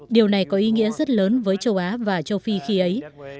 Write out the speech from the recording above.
điều này có ý nghĩa rất lớn với châu á và châu phi khi ấy